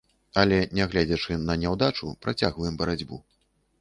Але нягледзячы на няўдачу, працягваем барацьбу.